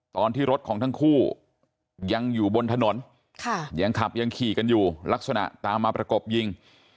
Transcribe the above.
ตอนที่รถของทั้งคู่ยังอยู่บนถนนยังขับยังขี่กันอยู่ลักษณะตามมาประกบยิง